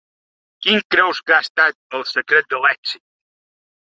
Quin creus que ha estat el secret de l’èxit?